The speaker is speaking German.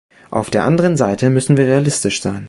Auf der anderen Seite müssen wir realistisch sein.